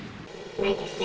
ないですね。